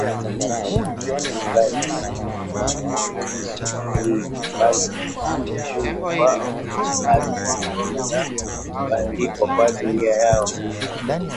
mrefu takriban miongo minne tangu kutungwa kwa bati ngoma na kuandikwa kwa Dunia Yao